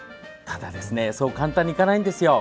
ただそう簡単にはいかないんですよ。